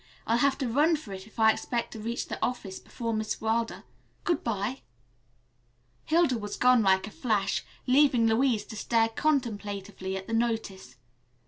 I'll have to run for it if I expect to reach the office before Miss Wilder. Good bye." Hilda was gone like a flash, leaving Louise to stare contemplatively at the notice.